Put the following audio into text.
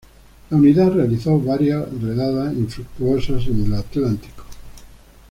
La unidad realizó varias redadas infructuosas en el Atlántico.